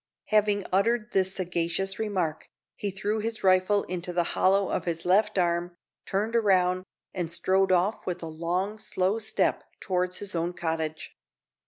Having uttered this sagacious remark, he threw his rifle into the hollow of his left arm, turned round, and strode off with a long, slow step towards his own cottage.